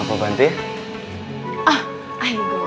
apa bantu ya